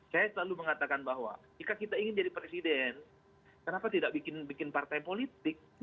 saya selalu mengatakan bahwa jika kita ingin jadi presiden kenapa tidak bikin partai politik